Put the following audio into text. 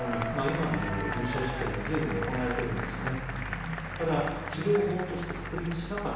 今で言う臨床試験が随分行われてるんですね。